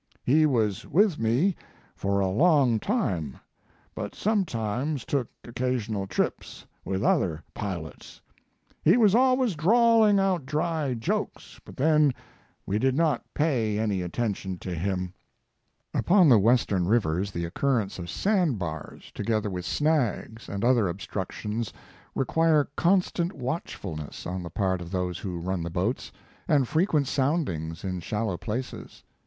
He was with me for a long time, but sometimes took occasional trips with other pilots. He was always drawling out dry jokes, but then we did not pay any attention to him." His Life and Work. Upon the western rivers the occurrence of sand bars, together with snags and other obstructions, require constant watchfulness on the part of those who run the boats, and frequent soundings in shallow places.